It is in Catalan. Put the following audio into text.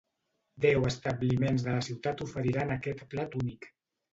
Deu establiments de la ciutat oferiran aquest plat únic.